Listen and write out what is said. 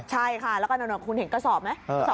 ใช่ค่ะแล้วก็คุณเห็นกระสอบไหม